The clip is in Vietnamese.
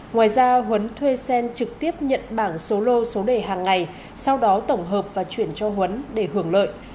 ngoài ra huấn thuê xen trực tiếp nhận bảng số lô số đề hàng ngày sau đó tổng hợp và chuyển cho huấn để hưởng lợi